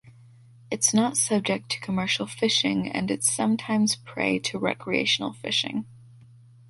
It’s not subject to commercial fishing and it’s sometimes prey to recreational fishing.